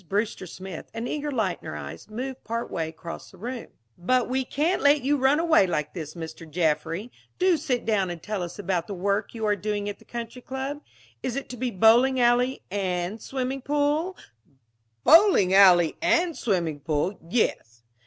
Brewster Smith, an eager light in her eyes, moved part way across the room. "But we can't let you run away like this, Mr. Jaffry. Do sit down and tell us about the work you are doing at the Country Club. Is it to be bowling alley and swimming pool " "Bowling alley and swimming pool, yes.